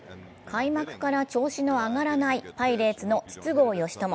開幕から調子の上がらないパイレーツの筒香嘉智。